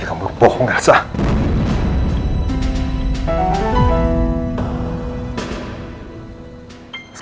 nino gak boleh tau